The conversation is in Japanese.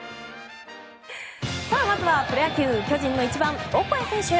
まずはプロ野球巨人の１番、オコエ選手。